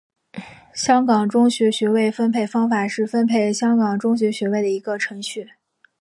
香港中学学位分配办法是分配香港中学学位的一个程序。